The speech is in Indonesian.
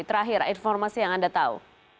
terakhir informasi yang anda tahu